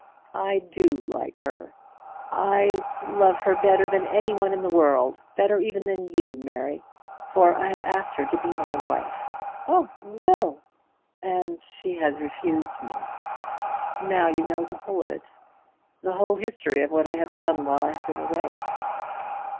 "I do like her, I love her better than any one in the world; better even than you, Mary; for I have asked her to be my wife." "Oh, Will!" "And she has refused me. Now you know the whole of it, the whole history of what I have done while I have been away."